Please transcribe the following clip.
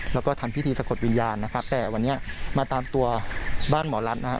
แล้วก็ทำพิธีสะกดวิญญาณนะครับแต่วันนี้มาตามตัวบ้านหมอรัฐนะครับ